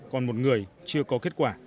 còn một người chưa có kết quả